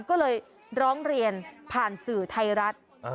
ก็เลยร้องเรียนผ่านสื่อไทยรัฐ